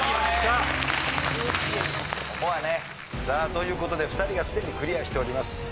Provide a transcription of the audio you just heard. さあという事で２人がすでにクリアしております。